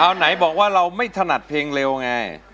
เอาไหนบอกว่าเราไม่ถนัดเพลงเร็วไง